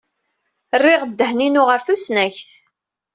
Rriɣ ddehn-inu ɣer tusnakt.